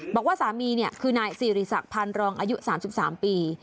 บอกว่าสามีคือนายสิริสักพันรองอายุ๓๓ปี